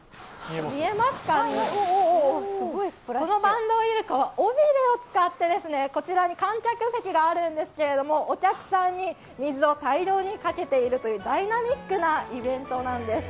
このバンドウイルカは尾びれを使ってこちらに観客席があるんですけども、お客さんに水を大量にかけているダイナミックなイベントです。